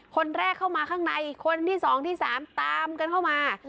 คนแรกเข้ามาข้างในคนที่๒ที่๓ตามกันเข้ามา